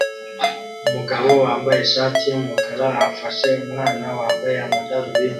Umugabo wambaye ishati yumukara afashe umwana wambaye amadarubindi